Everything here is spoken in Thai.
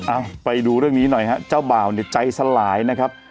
ไปดูเรื่องนี้หน่อยฮะเจ้าบ่าวเนี่ยใจสลายนะครับ